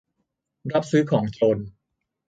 รับซื้อของโจร